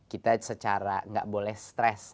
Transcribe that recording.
kita secara gak boleh stress